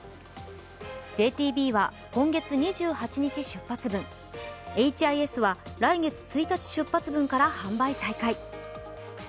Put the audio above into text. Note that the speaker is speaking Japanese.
ＪＴＢは今月２８日出発分、ＨＩＳは来月１日出発分から販売再開。